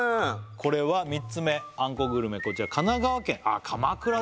これは３つ目あんこグルメこちら